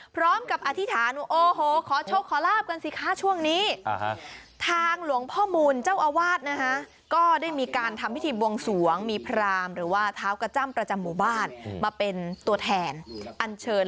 พร้อมกับอธิษฐานโอ้โหขอโชคขอหลากกันสิคะช่วงนี้